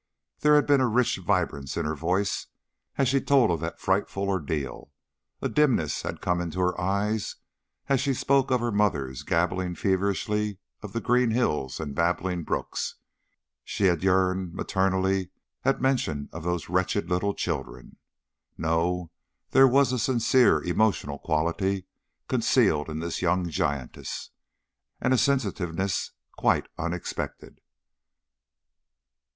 There had been a rich vibrance in her voice as she told of that frightful ordeal; a dimness had come into her eyes as she spoke of her mother gabbling feverishly of the green hills and babbling brooks; she had yearned maternally at mention of those wretched little children. No, there was a sincere emotional quality concealed in this young giantess, and a sensitiveness quite unexpected.